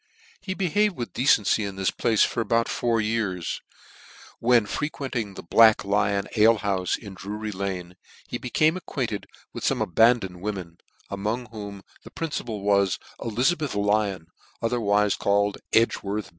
393 He behaved with Hecency in this place for about four years, when frequenting the Black Lion alehoufe in Drury Lane, he became acquainted with fome abandoned women, among whom the principal was Elizabeth Lyon, otherwife called Edgworth.